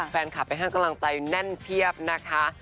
แฟนคลับไปให้กำลังใจแน่นเพียบนะคะ